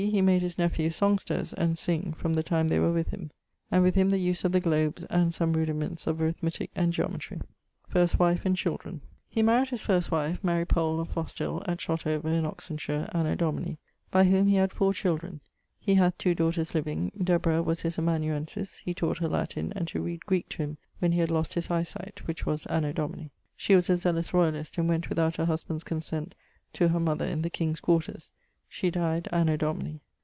he made his nephews songsters, and sing, from the time they were with him. [XXII.] and with him the use of the globes, and some rudiments of arithmetic and geometry. <_First wife and children._> He maried his first wife[XXIII.] Powell, of Fosthill, at Shotover, in Oxonshire, anno Domini ...; by whom he had 4 children. hath two daughters living: Deborah was his amanuensis (he taught her Latin, and to read Greeke to him when he had lost his eie sight, which was anno Domini ...). [XXIII.] She was a zealous royalist, and went without her husband's consent to her mother in the king's quarters. She dyed anno Domini....